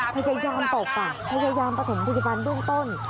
พยายามปกป่ะพยายามปฐมพยาบาลเบื้องต้น